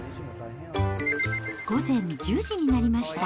午前１０時になりました。